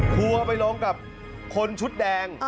ครัวไปลงกับคนชุดแดง